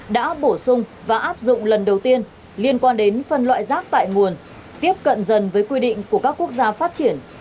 đã bổ sung và áp dụng lần đầu tiên liên quan đến phân loại rác tại nguồn tiếp cận dần với quy định của các quốc gia phát triển